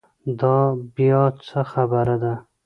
دا بیا څه خبره ده.